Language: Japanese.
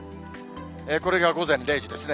これが午前０時ですね。